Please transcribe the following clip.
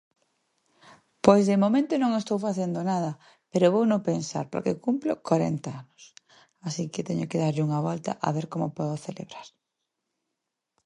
Pois de momento non estou facendo nada, pero vouno pensar porque cumplo corenta anos, así que teño que darlle unha volta a ver como o podo celebrar.